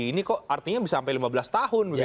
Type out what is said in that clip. ini kok artinya bisa sampai lima belas tahun begitu